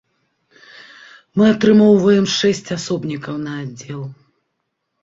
Мы атрымоўваем шэсць асобнікаў на аддзел.